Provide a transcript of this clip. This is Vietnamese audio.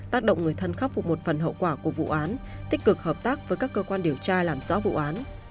tác động người thân khắc phục một phần hậu quả của vụ án tích cực hợp tác với các cơ quan điều tra làm rõ vụ án